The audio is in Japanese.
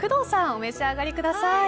お召し上がりください。